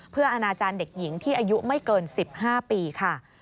เพื่ออนาจารย์เด็กหญิงที่อายุไม่เกิน๑๕ปีค่ะ